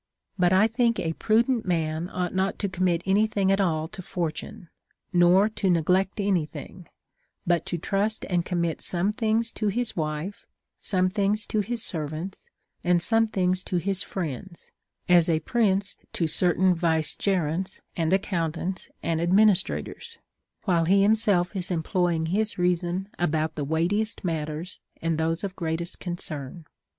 t But I tliink a prudent man ought not to commit any thing at all to Fortune, nor to neglect any thing, but to trust and commit some things to his Avife, some things to his servants, and some things to his friends (as a prince to certain vice gerents and accountants and administrators), while he him self is employing his reason about the weightiest matters, and those of greatest concern.